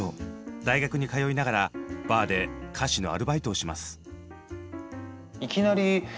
大学に通いながらバーで歌手のアルバイトをします。